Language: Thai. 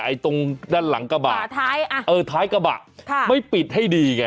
ตรงด้านหลังกระบะเออท้ายกระบะค่ะไม่ปิดให้ดีไง